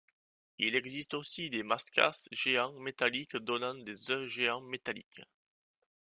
Il existe aussi des Maskass géants métalliques donnant des œufs géants métalliques.